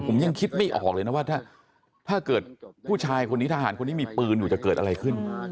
ผมยังคิดไม่ออกเลยนะว่าถ้าเกิดผู้ชายคนนี้ทหารคนนี้มีปืนอยู่จะเกิดอะไรขึ้น